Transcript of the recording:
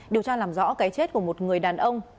điều tra làm rõ cái chết của một người đàn ông